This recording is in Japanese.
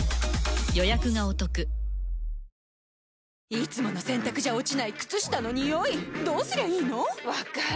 いつもの洗たくじゃ落ちない靴下のニオイどうすりゃいいの⁉分かる。